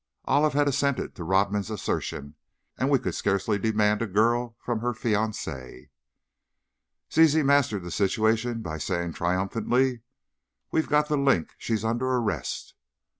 Olive had assented to Rodman's assertion, and we could scarcely demand a girl from her fiancé. Zizi mastered the situation by saying, triumphantly: "We've got 'The Link!' She's under arrest!"